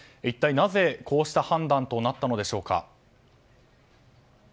一体なぜ、こうした判断となったのでしょうか。